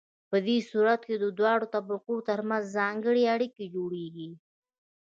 په دې صورت کې د دواړو طبقو ترمنځ ځانګړې اړیکې جوړیږي.